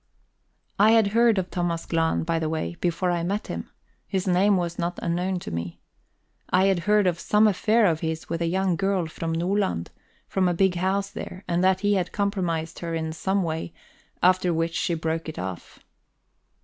I had heard of Thomas Glahn, by the way, before I met him; his name was not unknown to me. I had heard of some affair of his with a young girl from Nordland, from a big house there, and that he had compromised her in some way, after which she broke it off.